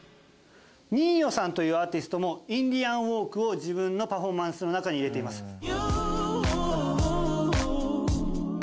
Ｎｅ−Ｙｏさんというアーティストもインディアンウォークを自分のパフォーマンスの中に入れています。